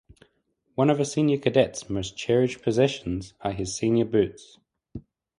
One of a senior cadet's "most cherished possessions" are his Senior Boots.